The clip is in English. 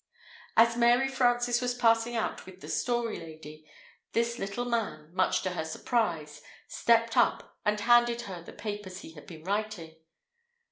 As Mary Frances was passing out with the Story Lady, this little man, much to her surprise, stepped up and handed her the papers he had been writing.